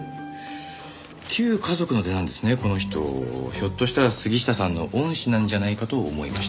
ひょっとしたら杉下さんの恩師なんじゃないかと思いまして。